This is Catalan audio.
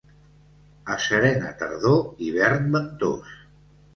A serena tardor, hivern ventós.